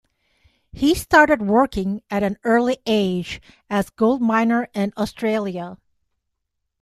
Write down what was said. He started working at an early age as gold miner in Australia.